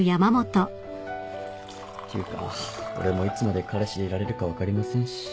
ていうか俺もいつまで彼氏でいられるか分かりませんし。